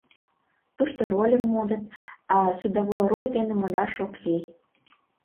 Тушто рольым модыт, а судовой роль дене модаш ок лий.